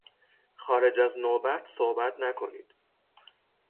خارج از نوبت صحبت نکنید!